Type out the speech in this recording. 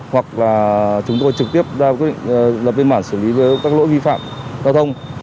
hoặc là chúng tôi trực tiếp lập biên bản xử lý các lỗi vi phạm giao thông